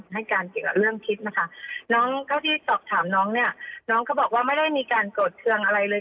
ให้การเกี่ยวกับเรื่องพิษนะคะน้องเท่าที่สอบถามน้องเนี่ยน้องก็บอกว่าไม่ได้มีการโกรธเครื่องอะไรเลย